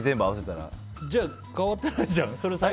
じゃあ、変わってないじゃん。